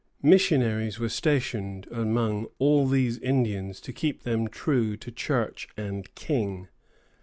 Missionaries were stationed among all these Indians to keep them true to Church and King.